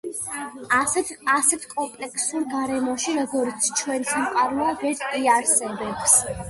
ასეთ კომპლექსურ გარემოში, როგორიც ჩვენი სამყაროა, ვერ იარსებებს.